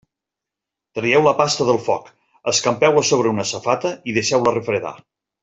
Traieu la pasta del foc, escampeu-la sobre una safata i deixeu-la refredar.